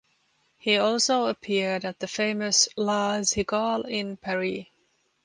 He also appeared at the famous La Cigale in Paris.